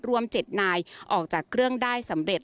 รวม๗นายออกจากเครื่องได้สำเร็จ